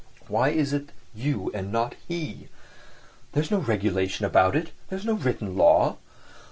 "Why is it you and not he? There's no regulation about it; there's no written law.